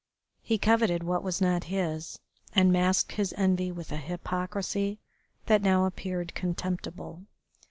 He coveted what was not his, and masked his envy with a hypocrisy that now appeared contemptible.